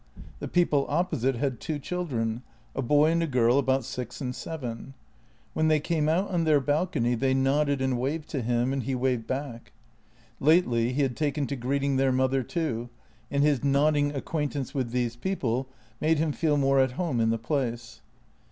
The people opposite had two children — a boy and a girl about six and seven. When they came out on their balcony they nodded and waved to him, and he waved back. Lately he had taken to greeting their mother too, and his nodding acquaintance with these people made him feel more at home in the place.